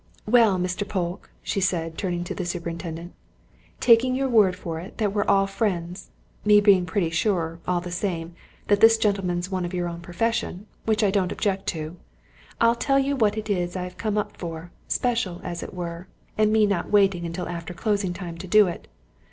"Well, Mr. Polke," she said, turning to the superintendent, "taking your word for it that we're all friends me being pretty sure, all the same, that this gentleman's one of your own profession, which I don't object to I'll tell you what it is I've come up for, special, as it were, and me not waiting until after closing time to do it.